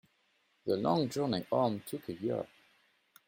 The long journey home took a year.